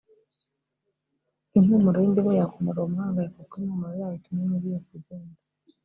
impumuro y’indimu yakumara uwo muhangayiko kuko impumuro yayo ituma imibu yose igenda